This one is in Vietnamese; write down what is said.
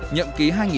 nhậm ký hai nghìn trọng